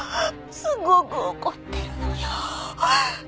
すごく怒ってるのよ。